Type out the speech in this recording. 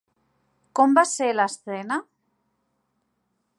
Com va ser l'estrena?